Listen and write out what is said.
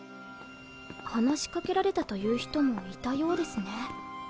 話し掛けられたという人もいたようですね。